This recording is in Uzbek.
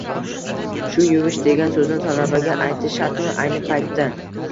Shu yuvish, degan so`zni talabaga aytish shartmi ayni paytda